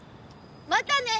またね！